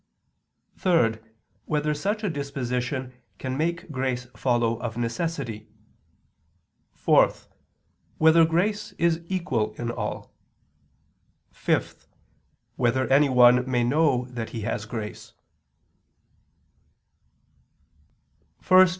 (3) Whether such a disposition can make grace follow of necessity? (4) Whether grace is equal in all? (5) Whether anyone may know that he has grace?